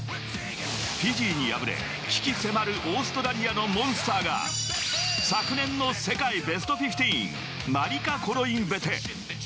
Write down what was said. フィジーに敗れ、鬼気迫るオーストラリアのモンスターが昨年の世界ベストフィフティーン、マリカ・コロインベテ。